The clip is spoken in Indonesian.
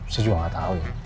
saya juga gak tau ya